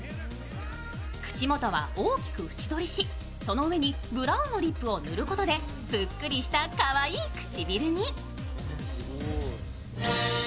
口元は大きく縁取りし、その上にブラウンのリップを塗ることでぷっくりとしたかわいい唇に。